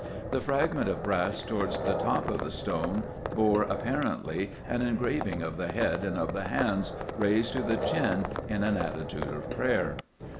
The fragment of brass towards the top of the stone bore, apparently, an engraving of the head and of the hands, raised to the chin, in an attitude of prayer.